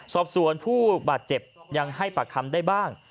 สอบสวนผู้บาดเจ็บยังให้ปากคำได้บ้าง